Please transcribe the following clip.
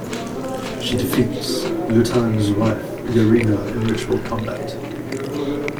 She defeats Lutan's wife Yareena in ritual combat.